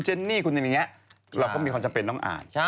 จริง